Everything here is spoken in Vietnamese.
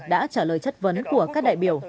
đã trả lời chất vấn của các đại biểu